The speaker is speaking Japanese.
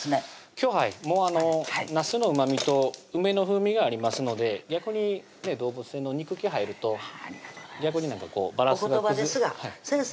今日ははいなすのうまみと梅の風味がありますので逆に動物性の肉気入ると逆にバランスがお言葉ですが先生